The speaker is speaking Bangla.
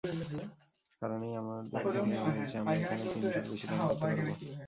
কারণেই আমাদের মনে হয়েছে আমরা এখানে তিন শোর বেশি রান করতে পারব।